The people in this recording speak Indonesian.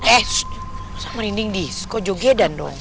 eh sampe merinding di sekolah jogedan dong